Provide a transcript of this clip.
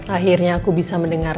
akhirnya aku bisa mendengar